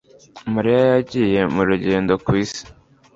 Mariya yagiye mu rugendo ku isi.